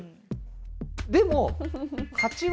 でも。